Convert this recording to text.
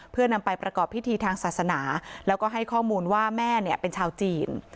เพื่อนำไปประกอบพิธีทางศาสนาแล้วก็ให้ข้อมูลว่าแม่เนี่ยเป็นชาวจีน